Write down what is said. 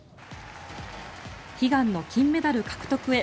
悲願の金メダル獲得へ。